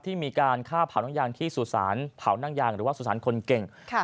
มีการฆ่าเผาน้องยางที่สุสานเผานั่งยางหรือว่าสุสานคนเก่ง